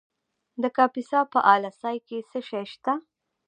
د کاپیسا په اله سای کې څه شی شته؟